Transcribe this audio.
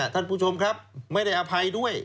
ท่านผู้ชมครับไม่ได้อภัยด้วย